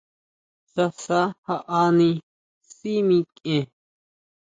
Sasa jaʼani sʼí mikʼien.